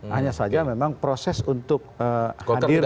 hanya saja memang proses untuk hadir